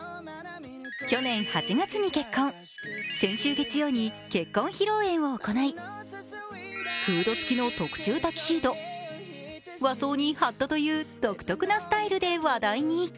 去年８月に結婚、先週月曜に結婚披露宴を行い、フード付きの特注タキシード、和装にハットという独特なスタイルで話題に。